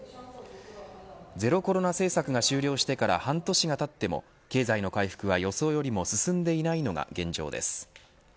ゼロコロナ政策が終了してから半年がたっても経済の回復は予想よりも進んでいないのが現状です。